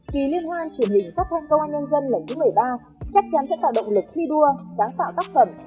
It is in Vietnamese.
kỳ liên hoan truyền hình phát thanh công an nhân dân lần thứ một mươi ba chắc chắn sẽ tạo động lực thi đua sáng tạo tác phẩm